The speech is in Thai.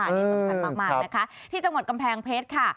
สำคัญมากที่จังหวัดกำแพงเพชร